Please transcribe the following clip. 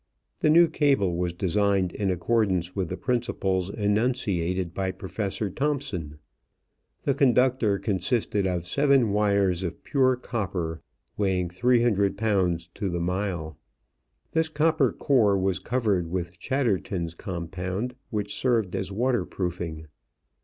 The new cable was designed in accordance with the principles enunciated by Professor Thomson. The conductor consisted of seven wires of pure copper, weighing three hundred pounds to the mile. This copper core was covered with Chatterton's compound, which served as water proofing.